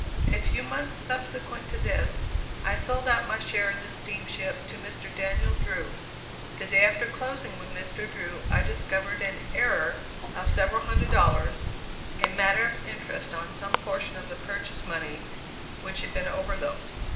A few months subsequent to this, I sold out my share in the steamship to Mr. Daniel Drew. The day after closing with Mr. Drew, I discovered an error of several hundred dollars (a matter of interest on some portion of the purchase money, which had been overlooked).